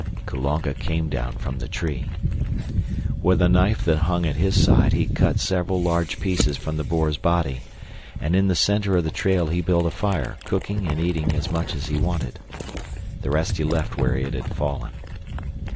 Kulonga came down from his tree. With a knife that hung at his side he cut several large pieces from the boar's body, and in the center of the trail he built a fire, cooking and eating as much as he wanted. The rest he left where it had fallen.